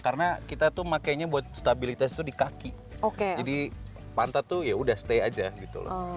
karena kita tuh makanya buat stabilitas itu di kaki oke jadi pantat tuh ya udah stay aja gitu